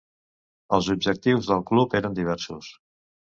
Els objectius del club eren diversos.